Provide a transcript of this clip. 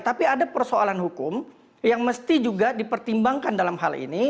tapi ada persoalan hukum yang mesti juga dipertimbangkan dalam hal ini